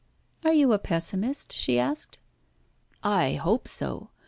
"Are you a pessimist?" she asked. "I hope so.